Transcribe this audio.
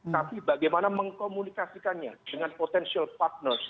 tapi bagaimana mengkomunikasikannya dengan potential partners